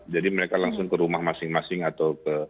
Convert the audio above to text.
jadi mereka langsung ke rumah masing masing atau ke